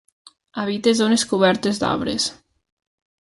Habita zones cobertes d'arbres.